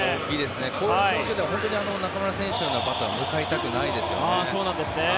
こういう場面では中村選手みたいなバッターは迎えたくないですよね。